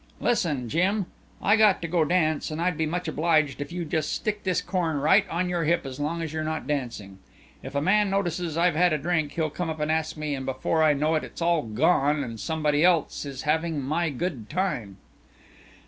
"Listen, Jim, I got to go dance and I'd be much obliged if you just stick this corn right on your hip as long as you're not dancing. If a man notices I've had a drink he'll come up and ask me and before I know it it's all gone and somebody else is having my good time."